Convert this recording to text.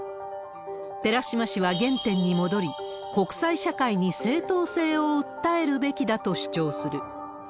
寺島氏は原点に戻り、国際社会に正当性を訴えるべきだと主張する。